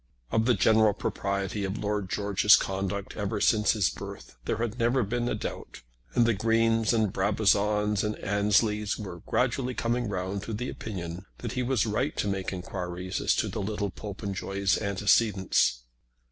Of the general propriety of Lord George's conduct ever since his birth there had never been a doubt, and the Greens and Brabazons and Ansleys were gradually coming round to the opinion that he was right to make enquiries as to the little Popenjoy's antecedents.